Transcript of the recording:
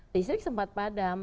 listrik sempat padam